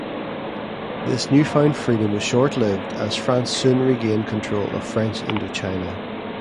This newfound freedom was short-lived as France soon regained control of French Indochina.